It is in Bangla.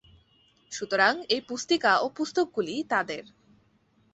সুতরাং এই পুস্তিকা ও পুস্তকগুলি তাদের।